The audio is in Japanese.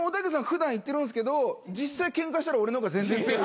普段言ってるんすけど実際ケンカしたら俺の方が全然強い。